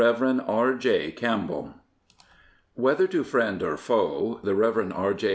R. J. CAMPBELL Whether to friend or foe, the Rev. R. J.